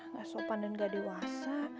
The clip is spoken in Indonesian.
ga sopan dan ga dewasa